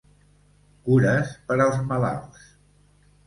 Cures per als malalts.